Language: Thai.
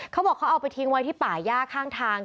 เขาบอกเขาเอาไปทิ้งไว้ที่ป่าย่าข้างทาง